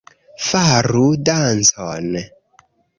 Faru dancon